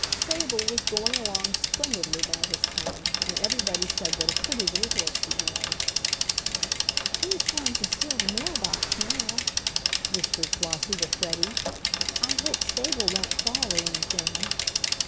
Sable was going along splendidly by this time, and everybody said what a pretty little horse he was. "He's goin' to steal the mail box now!" whispered Flossie to Freddie. "I hope Sable won't fall or anything."